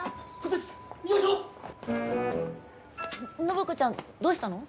暢子ちゃんどうしたの？